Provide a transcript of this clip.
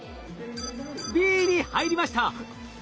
Ｂに入りました。